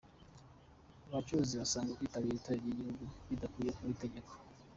Abacuruzi basanga kwitabira Itorero ry’Igihugu bidakwiye kuba itegeko